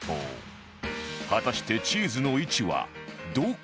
果たしてチーズの位置はどこ？